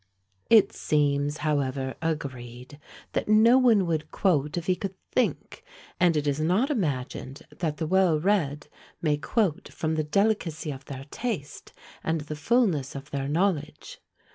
It seems, however, agreed, that no one would quote if he could think; and it is not imagined that the well read may quote from the delicacy of their taste, and the fulness of their knowledge.